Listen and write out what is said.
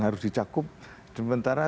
harus dicakup sementara